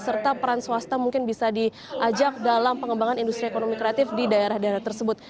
serta peran swasta mungkin bisa diajak dalam pengembangan industri ekonomi kreatif di daerah daerah tersebut